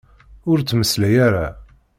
Ur ttmeslay ara!